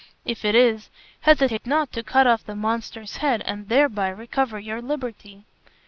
If it is, hesitate not to cut off the monster's head, and thereby recover your liberty."